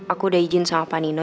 aku udah izin sama panino